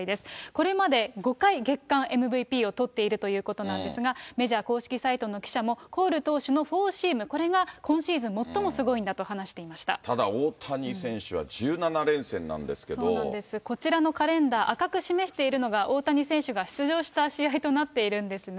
これまで５回月間ＭＶＰをとっているということなんですが、メジャー公式サイトの記者も、コール投手のフォーシーム、これが今シーズン最もすごいんだと話ただ、大谷選手は１７連戦なそうなんです、こちらのカレンダー、赤く示しているのが大谷選手が出場した試合となっているんですね。